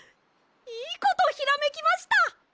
いいことひらめきました！